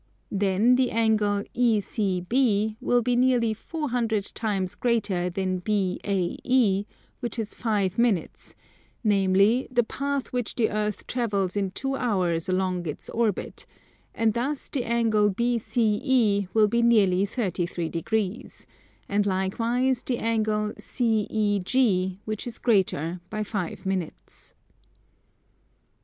Then the angle ECB will be nearly four hundred times greater than BAE, which is five minutes; namely, the path which the earth travels in two hours along its orbit; and thus the angle BCE will be nearly 33 degrees; and likewise the angle CEG, which is greater by five minutes.